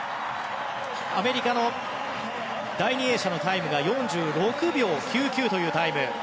アメリカの第２泳者のタイムが４６秒９９というタイム。